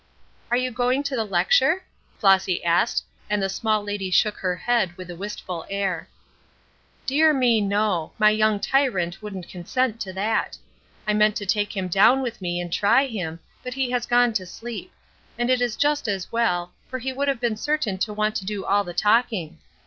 "Are you going to the lecture?" Flossy, asked and the small lady shook her head, with a wistful air. "Dear me, no! My young tyrant wouldn't consent to that. I meant to take him down with me and try him, but he has gone to sleep; and it is just as well, for he would have been certain to want to do all the talking.